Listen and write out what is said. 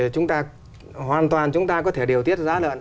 chúng ta hoàn toàn có thể điều tiết giá lợn